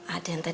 ada yang tanya